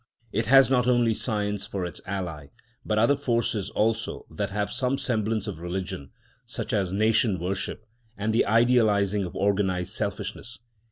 It has not only science for its ally, but other forces also that have some semblance of religion, such as nation worship and the idealising of organised selfishness.